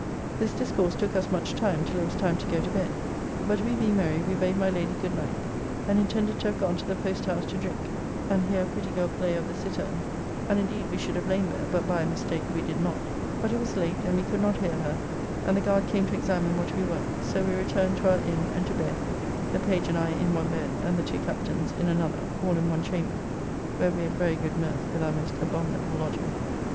This discourse took us much time, till it was time to go to bed; but we being merry, we bade my Lady goodnight, and intended to have gone to the Post house to drink, and hear a pretty girl play of the cittern (and indeed we should have lain there, but by a mistake we did not), but it was late, and we could not hear her, and the guard came to examine what we were; so we returned to our Inn and to bed, the page and I in one bed, and the two captains in another, all in one chamber, where we had very good mirth with our most abominable lodging.